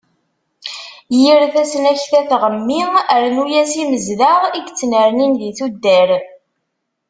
Yir tasnakta tɣemmi, rnu-as imezdaɣ i yettnernin di tuddar.